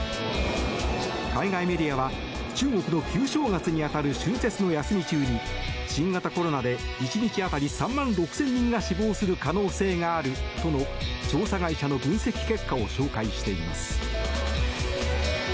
海外メディアは中国の旧正月に当たる春節の休み中に新型コロナで１日当たり３万６０００人が死亡する可能性があるとの調査会社の分析結果を紹介しています。